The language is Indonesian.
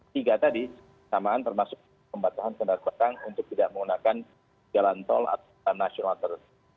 tiga tadi samaan termasuk pembatasan kendaraan untuk tidak menggunakan jalan tol atau nasional tersebut